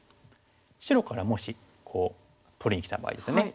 白からもしこう取りにきた場合ですよね。